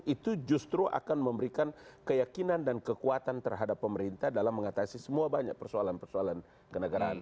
itu justru akan memberikan keyakinan dan kekuatan terhadap pemerintah dalam mengatasi semua banyak persoalan persoalan kenegaraan